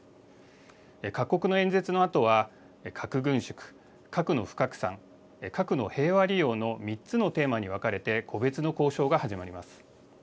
各国の演説のあとは、核軍縮、核の不拡散、核の平和利用の３つのテーマに分かれて個別の交渉が始まります。